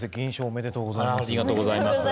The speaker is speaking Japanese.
おめでとうございます。